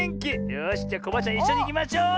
よしじゃあコバアちゃんいっしょにいきましょう！